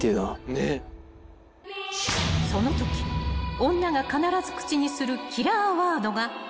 ［そのとき女が必ず口にするキラーワードがこれだ］